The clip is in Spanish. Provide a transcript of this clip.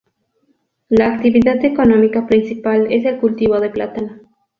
La actividad económica principal es el cultivo de plátano.